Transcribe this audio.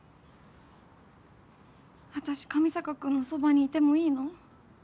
私上坂君のそばにいてもいいの？